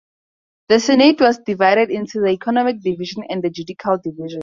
The Senate was divided into the economic division and the judicial division.